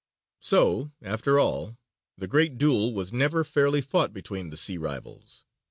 _)] So, after all, the great duel was never fairly fought between the sea rivals.